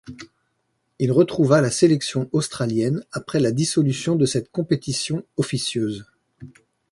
Il retrouva la sélection australienne après la dissolution de cette compétition officieuse.